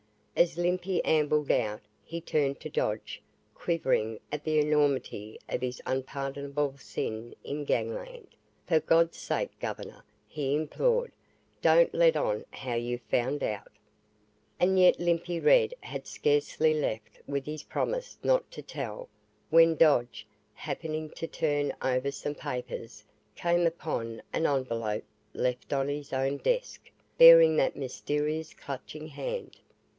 As Limpy ambled out, he turned to Dodge, quivering at the enormity of his unpardonable sin in gang land, "For God's sake, Governor," he implored, "don't let on how you found out!" And yet Limpy Red had scarcely left with his promise not to tell, when Dodge, happening to turn over some papers came upon an envelope left on his own desk, bearing that mysterious Clutching Hand!